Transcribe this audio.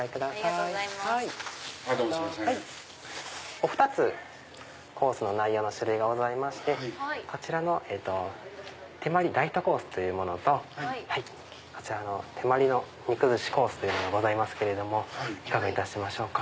お２つコースの内容の種類がございましてこちらの手毬ｌｉｇｈｔコースというものとこちらの手毬肉寿司コースがございますけれどもいかがいたしましょうか？